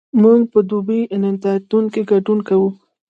موږ په دوبۍ نندارتون کې ګډون کوو؟